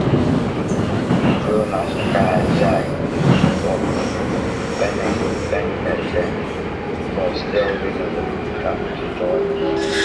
Schumacher had signed for Benetton while still being under contract to Jordan.